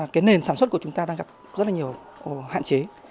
cái nền sản xuất của chúng ta đang gặp rất là nhiều hạn chế